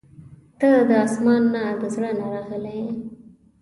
• ته د اسمان نه، د زړه نه راغلې یې.